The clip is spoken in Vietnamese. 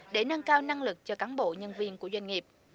để nâng cao năng lực cho cán bộ nhân viên của doanh nghiệp